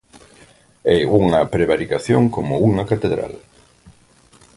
É unha prevaricación como unha catedral.